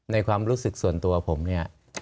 ความรู้สึกส่วนตัวผมเนี่ย